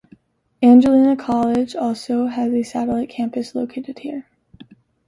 Angelina College also has a satellite campus located here.